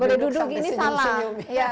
boleh duduk ini salah